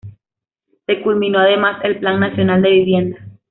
Se culminó además el Plan Nacional de Vivienda.